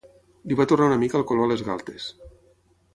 Li va tornar una mica el color a les galtes.